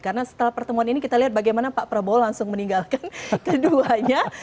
karena setelah pertemuan ini kita lihat bagaimana pak prabowo langsung meninggalkan keduanya